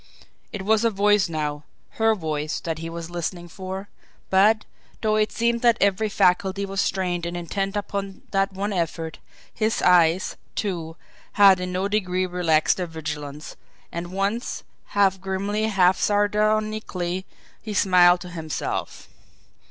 It was a voice now, her voice, that he was listening for; but, though it seemed that every faculty was strained and intent upon that one effort, his eyes, too, had in no degree relaxed their vigilance and once, half grimly, half sardonically, he smiled to himself.